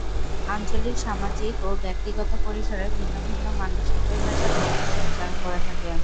আঞ্চলিক, সামাজিক ও ব্যক্তিগত পরিসরে ভিন্ন ভিন্ন মানুষ একই ভাষা ভিন্নভাবে উচ্চারণ করে থাকে।